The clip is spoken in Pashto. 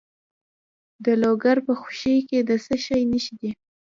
د لوګر په خوشي کې د څه شي نښې دي؟